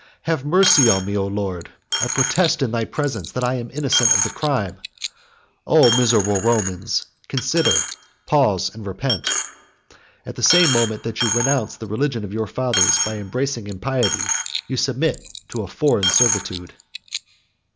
Have mercy on me, O Lord! I protest in thy presence that I am innocent of the crime. O miserable Romans, consider, pause, and repent. At the same moment that you renounce the religion of your fathers, by embracing impiety, you submit to a foreign servitude."